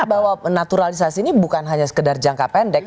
bahwa naturalisasi ini bukan hanya sekedar jangka pendek